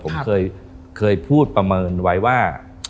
ผมเคยพูดประเมินไว้ว่า